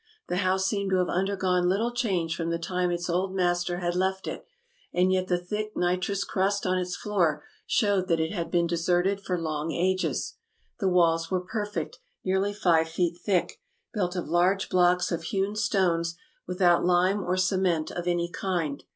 The house seemed to have undergone little change from the time its old master had left it; and yet the thick nitrous crust on its floor showed that it had been deserted for long ages. The walls were perfect, nearly five feet thick, built of large blocks of hewn stones, without lime or cement of any kind.